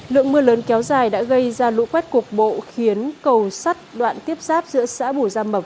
lượng mưa lớn kéo dài đã gây ra lũ quét cục bộ khiến cầu sắt đoạn tiếp giáp giữa xã bù gia mập